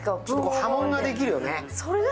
波紋ができるよね。